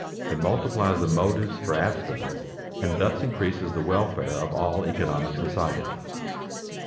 It multiplies the motives for abstinence and thus increases the welfare of all economic society.